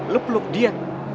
lo peluk dia